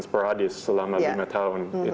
separadis selama lima tahun